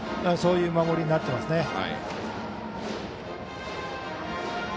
そういう守りになってますね。